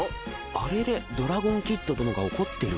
あれれドラゴンキッド殿が怒ってる？